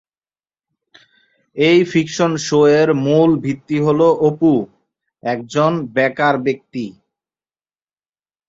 এই fiction show এর মূল ভিত্তি হল অপু একজন বেকার ব্যক্তি।